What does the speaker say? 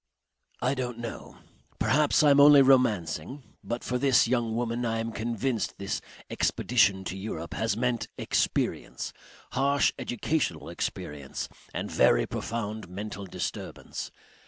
"I don't know. Perhaps I am only romancing. But for this young woman I am convinced this expedition to Europe has meant experience, harsh educational experience and very profound mental disturbance.